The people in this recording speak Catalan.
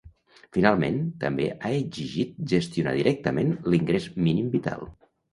Finalment, també ha exigit gestionar directament l’ingrés mínim vital.